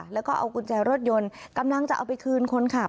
แล้วก็เอากุญแจรถยนต์กำลังจะเอาไปคืนคนขับ